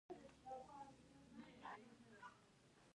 ازادي راډیو د تعلیم په اړه د ښځو غږ ته ځای ورکړی.